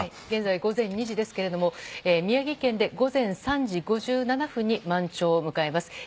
現在午前２時ですが宮城県で午前３時ごろに満潮を迎えます。